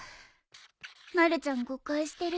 まるちゃん誤解してる